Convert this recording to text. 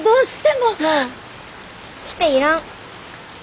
もう来ていらん。